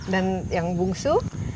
dan yang bungsu